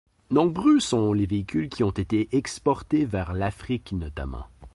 Nombreux sont les véhicules qui ont été exportés vers l'Afrique notamment.